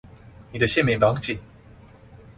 你的線沒綁緊